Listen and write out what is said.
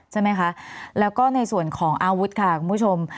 ใช่ไหมคะแล้วก็ในส่วนของอาวุธค่ะคุณผู้ชม